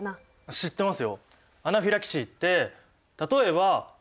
知ってますよ。